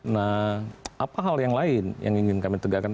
nah apa hal yang lain yang ingin kami tegakkan